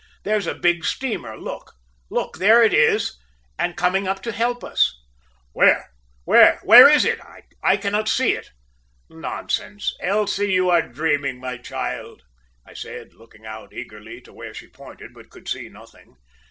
There's a big steamer! Look, look! there it is, and coming up to help us!' "`Where? where? Where is it? I cannot see it. Nonsense, Elsie; you are dreaming, my child!' I said, looking out eagerly to where she pointed, but could see nothing.